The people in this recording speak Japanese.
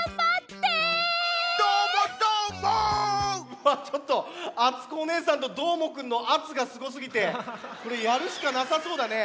うわちょっとあつこおねえさんとどーもくんのあつがすごすぎてこれやるしかなさそうだね。